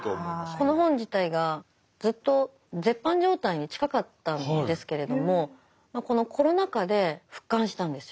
この本自体がずっと絶版状態に近かったんですけれどもこのコロナ禍で復刊したんですよ。